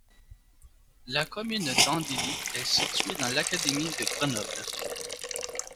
La commune d'Andilly est située dans l'académie de Grenoble.